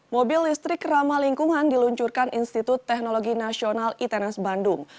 mobil listrik ramah lingkungan diluncurkan institut teknologi nasional itenes bandung